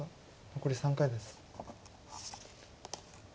残り３回です。